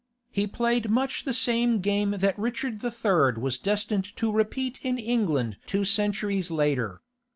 He played much the same game that Richard III. was destined to repeat in England two centuries later.